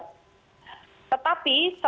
tetapi selain sebagian besar